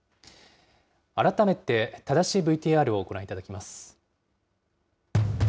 改めて正しいＶＴＲをご覧いただきます。